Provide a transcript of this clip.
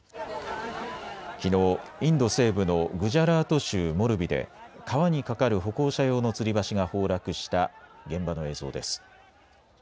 きのう、インド西部のグジャラート州モルビで川に架かる歩行者用のつり橋が崩落した現場の映像です。